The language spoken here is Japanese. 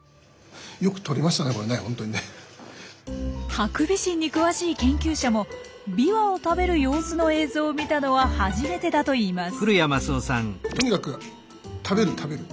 ハクビシンに詳しい研究者もビワを食べる様子の映像を見たのは初めてだといいます。